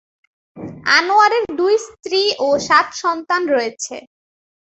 আনোয়ারের দুই স্ত্রী ও সাত সন্তান রয়েছে।